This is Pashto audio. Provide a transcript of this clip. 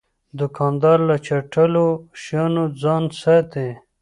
دوکاندار له چټلو شیانو ځان ساتي.